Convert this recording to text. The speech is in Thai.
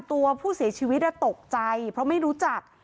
ตัวผู้เสียชีวิตตกใจเพราะไม่รู้จัก